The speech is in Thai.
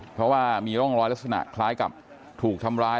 เพราะว่ามีร่องรอยลักษณะคล้ายกับถูกทำร้าย